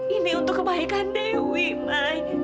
ini untuk kebaikan dewi ma